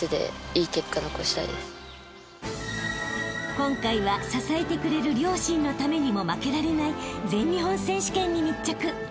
［今回は支えてくれる両親のためにも負けられない全日本選手権に密着］